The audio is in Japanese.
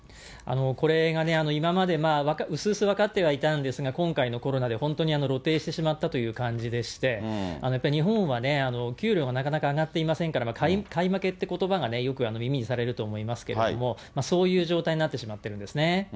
これがね、今まで、うすうす分かってはいたんですが、今回のコロナで本当に露呈してしまったという感じでして、やっぱり日本はね、お給料がなかなか上がっていませんから、買い負けっていうことばがよく耳にされると思いますけれども、そういう状態になってしまってるんですね。